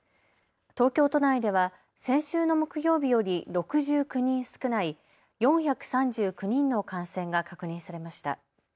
東京都内では先週の木曜日より６９人少ない４３９人の感染が確認されました。